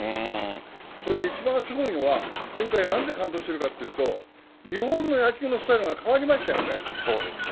それで一番すごいのは、今回なんで感動してるかというと、日本の野球のスタイルが変わりまそうですね。